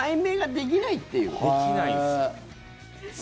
できないです。